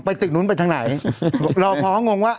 ตึกนู้นไปทางไหนรอพอก็งงว่า